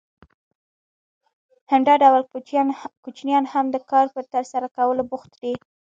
همدا ډول کوچنیان هم د کار په ترسره کولو بوخت دي